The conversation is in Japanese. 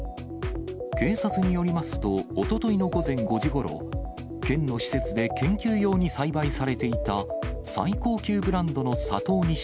警察によりますと、おとといの午前５時ごろ、県の施設で研究用に栽培されていた最高級ブランドの佐藤錦